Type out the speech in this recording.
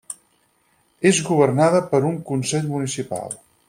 És governada per un consell municipal.